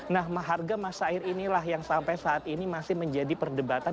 nah harga masa air inilah yang sampai saat ini masih menjadi perdebatan